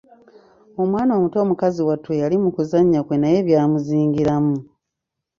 Omwana omuto mukazi wattu eyali mu kuzannya kwe naye byamuzingiramu.